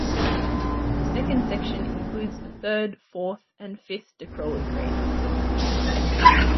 The second section includes the third, fourth, and fifth Decroly grades.